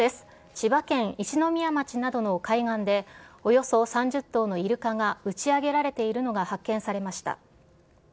千葉県一宮町などの海岸で、およそ３０頭のイルカが打ち上げられているのが発見されました。